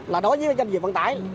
là đối với kinh doanh vận trải